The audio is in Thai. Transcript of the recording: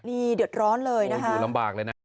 นี่เดือดร้อนเลยนะคะอยู่ลำบากเลยนะ